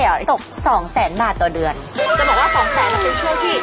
ว่าอะไรได้อ่ะตกสองแสนบาทตัวเดือนจะบอกว่าสองแสนมันเป็นช่วงที่